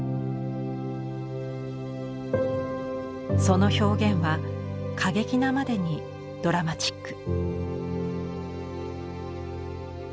その表現は過激なまでにドラマチック。